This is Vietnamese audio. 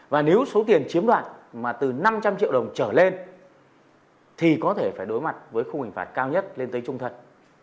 và nếu số tiền chiếm đoạt mà từ năm trăm linh triệu đồng trở lên thì có thể phải đối mặt với khung hình phạt cao nhất lên tới trung thật